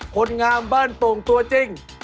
คนงามบ้านโป่งตัวจริง